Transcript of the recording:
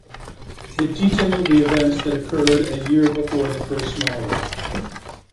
It detailed the events that occurred a year before the first novel.